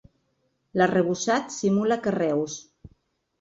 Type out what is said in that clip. L'arrebossat simula carreus.